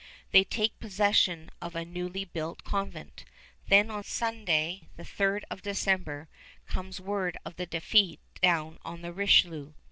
They take possession of a newly built convent. Then on Sunday, the 3d of December, comes word of the defeat down on the Richelieu.